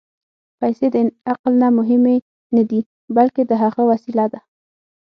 پېسې د عقل نه مهمې نه دي، بلکې د هغه وسیله ده.